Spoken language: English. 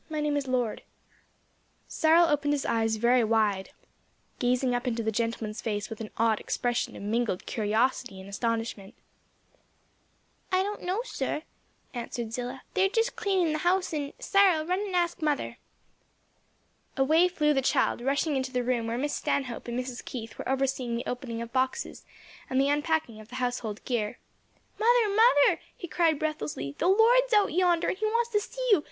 My name is Lord." Cyril opened his eyes very wide; gazing up into the gentleman's face with an odd expression of mingled curiosity and astonishment. "I don't know, sir;" answered Zillah, "they're just cleaning the house and Cyril, run and ask mother." Away flew the child, rushing into the room where Miss Stanhope and Mrs. Keith were overseeing the opening of boxes and the unpacking of the household gear. "Mother, mother," he cried breathlessly, "the Lord's out yonder and he wants to see you!